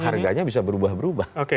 harganya bisa berubah berubah